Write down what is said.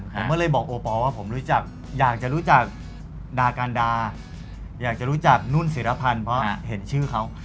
ผมก็เลยบอกโอปอลว่าผมรู้จักอยากจะรู้จักดาการดาอยากจะรู้จักนุ่นศิรพันธ์เพราะเห็นชื่อเขา